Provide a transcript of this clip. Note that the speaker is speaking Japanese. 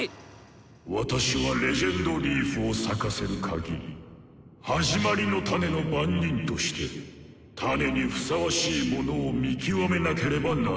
私は「レジェンドリーフ」を咲かせる鍵「始まりのタネ」の番人としてタネにふさわしい者を見極めなければならぬ。